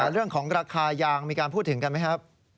เรื่องของราคายางมีการพูดถึงกันไหมครับ